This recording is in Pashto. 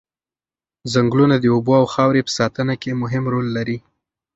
ځنګلونه د اوبو او خاورې په ساتنه کې مهم رول لري.